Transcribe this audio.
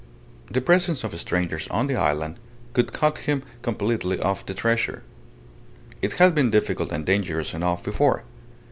The presence of strangers on the island would cut him completely off the treasure. It had been difficult and dangerous enough before.